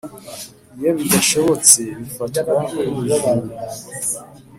Iyo bidashobotse bifatwa nkubujuru